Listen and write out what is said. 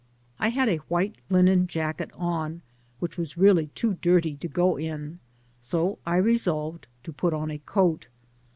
I was dressed in a white linen jacket, which was really too dirty to go in, so I resolved to put on a coat.